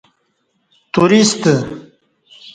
توریستہ